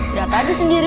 udah tadi sendiri